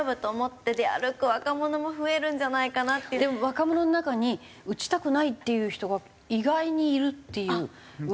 でも若者の中に打ちたくないっていう人が意外にいるっていう噂を聞いたんですけど。